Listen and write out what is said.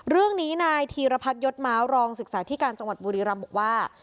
เรื่องนี้นายธีรพัฒนยศม้าวรองศึกษาที่การจังหวัดบุรีรำบอกว่า